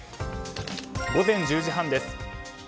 午前１０時半です。